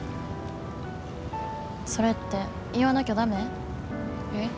それって言わなきゃダメ？え？